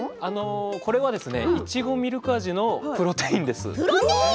これは、いちごミルク味のプロテインです。